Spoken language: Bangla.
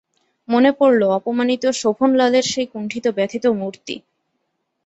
মনে পড়ল অপমানিত শোভনলালের সেই কুণ্ঠিত ব্যথিত মূর্তি।